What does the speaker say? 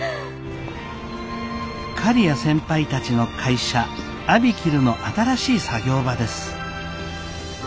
刈谷先輩たちの会社ＡＢＩＫＩＬＵの新しい作業場です。